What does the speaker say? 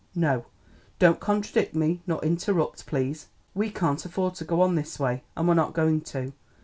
No; don't contradict me nor interrupt please! We can't afford to go on this way, and we're not going to.